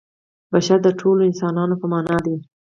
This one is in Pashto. بشر د ټولو انسانانو په معنا دی.